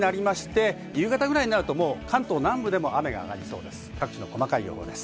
午後、夕方になると関東南部でも雨が上がりそうです。